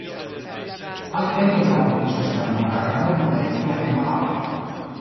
Al tempo della conquista spagnola era molto vecchio e malato.